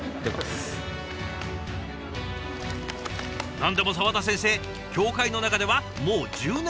何でも沢田先生協会の中ではもう１０年